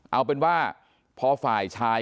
เอาเป็นว่าพอฝ่ายชาย